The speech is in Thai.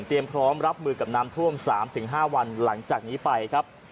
พร้อมรับมือกับน้ำท่วม๓๕วันหลังจากนี้ไปครับ